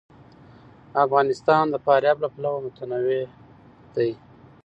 افغانستان د فاریاب له پلوه متنوع دی.